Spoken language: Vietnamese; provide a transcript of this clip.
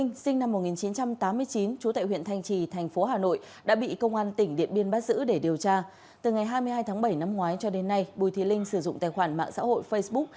từ ngày hai mươi hai tháng bảy năm ngoái cho đến nay bùi thị linh sử dụng tài khoản mạng xã hội facebook